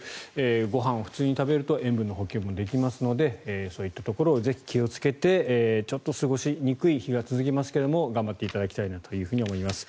ご飯を普通に食べると塩分の補給もできますのでそういったところを気をつけてちょっと過ごしにくい日が続きますけれど頑張っていただきたいと思います。